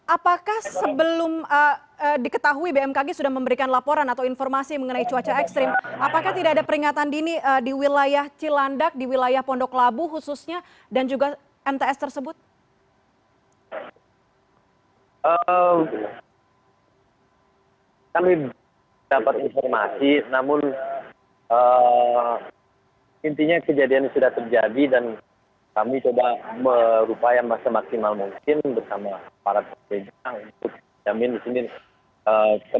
apakah sebelum diketahui bmkg sudah memberikan laporan atau informasi mengenai cuaca ekstrim apakah tidak ada peringatan dini di wilayah cilandak di wilayah pondok labu khususnya dan juga mts tersebut